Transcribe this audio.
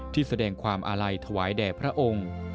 แสดงความอาลัยถวายแด่พระองค์